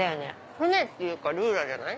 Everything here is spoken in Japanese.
船っていうかルーラじゃない？